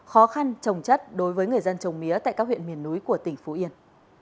khó khăn trồng chất đối với người dân trồng mía tại các huyện miền núi của tỉnh phú yên